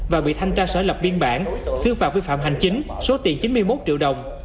và bị thanh tra sở lập biên bản xứ phạt vi phạm hành chính số tiền chín mươi một triệu đồng